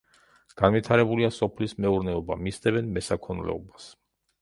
განვითარებულია სოფლის მეურნეობა, მისდევენ მესაქონლეობას.